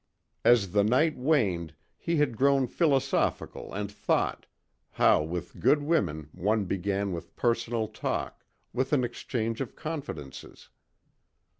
As the night waned he had grown philosophical and thought, how with good women one began with personal talk, with an exchange of confidences.